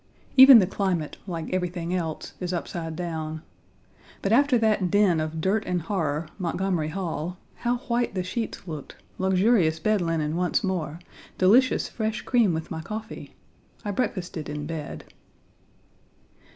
Even the climate, like everything else, is upside down. But after that den of dirt and horror, Montgomery Hall, how white the sheets looked, luxurious bed linen once more, delicious fresh cream with my coffee! I breakfasted in bed.